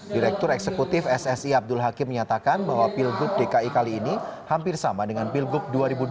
direktur eksekutif ssi abdul hakim menyatakan bahwa pilgub dki kali ini hampir sama dengan pilgub dua ribu dua puluh